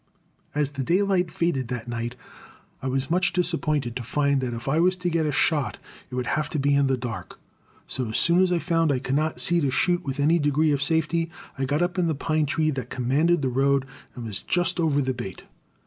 As the daylight faded that night I was much disappointed to find that if I was to get a shot it would have to be in the dark; so as soon as I found I could not see to shoot with any degree of safety, I got up in a pine tree that commanded the road and was just over the bait.